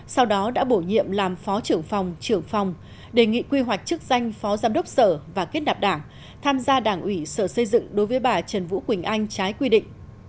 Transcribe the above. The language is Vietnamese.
sau đó đã bổ nhiệm làm phó trưởng phòng trưởng phòng đề nghị quy hoạch chức danh phó giám đốc sở và kết nạp đảng tham gia đảng ủy sở xây dựng đối với bà trần vũ quỳnh anh trái quy định